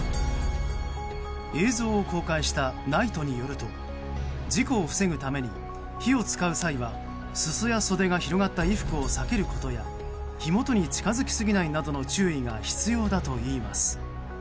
映像を公開したＮＩＴＥによると事故を防ぐために火を使う際は、裾や袖が広がった衣服を避けることや火元に近づきすぎないなどの注意が必要だといいます。